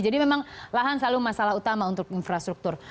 jadi memang lahan selalu masalah utama untuk infrastruktur